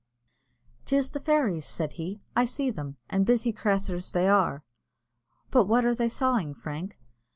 "'Tis the fairies," said he. "I see them, and busy crathurs they are." "But what are they sawing, Frank?"